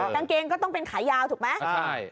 กางเกงก็ต้องเป็นขายาวถูกไหม